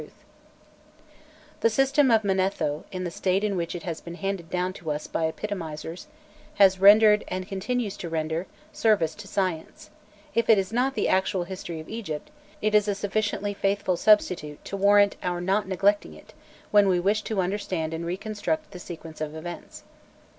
[Illustration: 325.jpg TABLE OF THE KINGS] The system of Manetho, in the state in which it has been handed down to us by epitomizers, has rendered, and continues to render, service to science; if it is not the actual history of Egypt, it is a sufficiently faithful substitute to warrant our not neglecting it when we wish to understand and reconstruct the sequence of events.